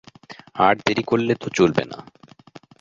আর দেরি করলে তো চলবে না।